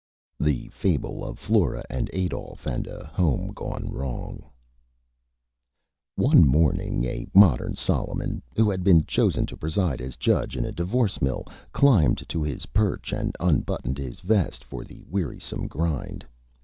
_ THE FABLE OF FLORA AND ADOLPH AND A HOME GONE WRONG One morning a Modern Solomon, who had been chosen to preside as Judge in a Divorce Mill, climbed to his Perch and unbuttoned his Vest for the Wearisome Grind.